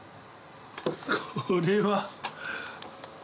これは。